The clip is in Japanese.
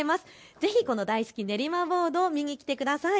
ぜひこの大好き練馬ボードを見に来てください。